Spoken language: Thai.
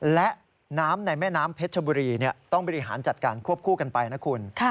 และน้ำในแม่น้ำเพชรชบุรีต้องบริหารจัดการควบคู่กันไปนะคุณ